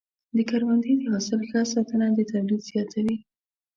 د کروندې د حاصل ښه ساتنه د تولید زیاتوي.